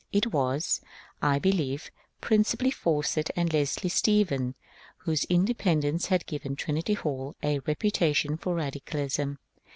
It was, I believe, principally Faw cett and Leslie Stephen whose independence had given Trin ity Hall a reputation for radicalism.